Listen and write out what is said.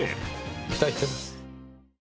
期待してます。